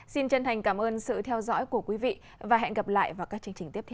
xin chân thành cảm ơn sự theo dõi của quý vị và hẹn gặp lại vào các chương trình tiếp theo